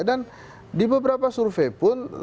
dan di beberapa survei pun